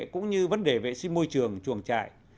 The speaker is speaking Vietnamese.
cũng như vấn đề vệ sinh môi trường chuồng trại